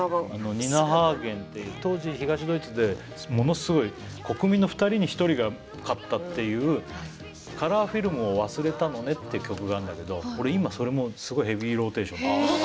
ニナ・ハーゲンっていう当時東ドイツでものすごい国民の２人に１人が買ったっていう「カラーフィルムを忘れたのね」って曲があんだけど俺今それもうすごいヘビーローテーション。